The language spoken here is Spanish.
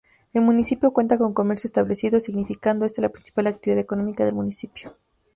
El municipio cuenta con comercio establecido, significando este la principal actividad económica del municipio.